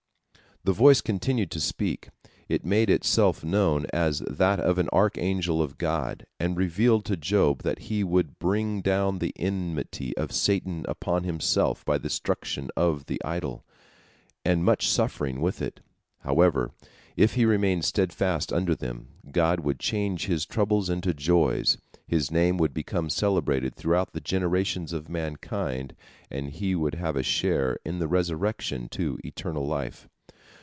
" The voice continued to speak. It made itself known as that of an archangel of God, and revealed to Job that he would bring down the enmity of Satan upon himself by the destruction of the idol, and much suffering with it. However, if he remained steadfast under them, God would change his troubles into joys, his name would become celebrated throughout the generations of mankind, and he would have a share in the resurrection to eternal life.